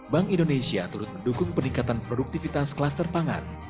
bank indonesia turut mendukung peningkatan produktivitas kluster pangan